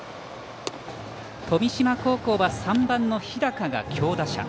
富島高校は３番の日高が強打者。